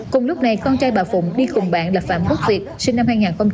cùng lúc này con trai bà phụng đi cùng bạn là phạm quốc việt sinh năm hai nghìn